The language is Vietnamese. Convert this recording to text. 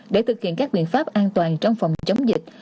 để thực hiện các biện pháp an toàn trong phòng chống dịch